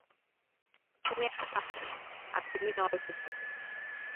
তুমি একটি পাপী, আর তুমি নরকে যাবে।